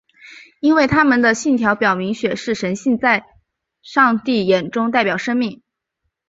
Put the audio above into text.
因为他们的信条表明血是神性的在上帝眼中代表生命。